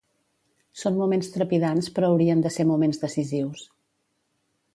Són moments trepidants però haurien de ser moments decisius.